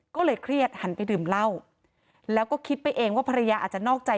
ก็เลยเครียดหันไปดื่มเหล้าแล้วก็คิดไปเองว่าภรรยาอาจจะนอกใจ